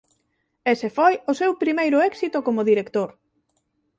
Ese foi o seu primeiro éxito como director.